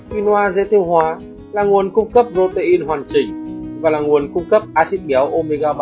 quinoa dễ tiêu hóa là nguồn cung cấp protein hoàn chỉnh và là nguồn cung cấp axit béo omega ba